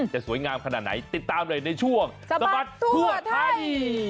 จะสวยงามขนาดไหนติดตามเลยในช่วงสะบัดทั่วไทย